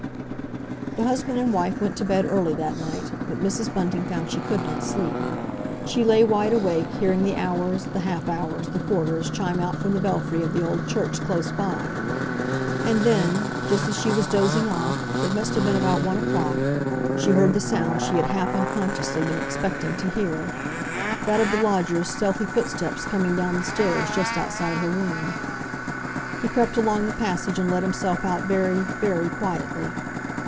The husband and wife went to bed early that night, but Mrs. Bunting found she could not sleep. She lay wide awake, hearing the hours, the half hours, the quarters chime out from the belfry of the old church close by. And then, just as she was dozing off—it must have been about one o'clock—she heard the sound she had half unconsciously been expecting to hear, that of the lodger's stealthy footsteps coming down the stairs just outside her room. He crept along the passage and let himself out very, very quietly.